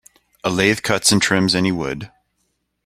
A lathe cuts and trims any wood.